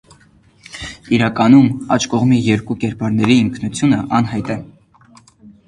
Իրականում աջ կողմի երկու կերպարների ինքնությունը անհայտ է։